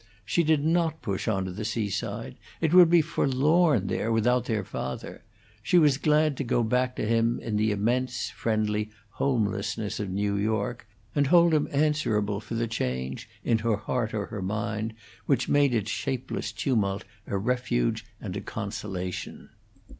She did not push on to the seaside; it would be forlorn there without their father; she was glad to go back to him in the immense, friendly homelessness of New York, and hold him answerable for the change, in her heart or her mind, which made its shapeless tumult a refuge and a consolation.